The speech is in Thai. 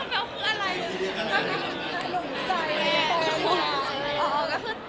ก็แปลว่าคืออะไร